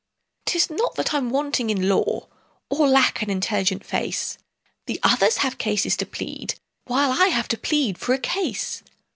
"'Tis not that I'm wanting in law, Or lack an intelligent face, That others have cases to plead, While I have to plead for a case.